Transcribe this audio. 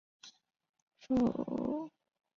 第二次世界大战中使用的手榴弹现代手榴弹